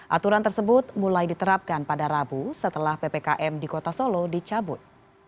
aturan tersebut mulai diterapkan pada rabu setelah ppkm di kota solo dicabut